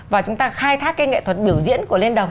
và chúng ta khai thác cái nghệ thuật biểu diễn của lên đồng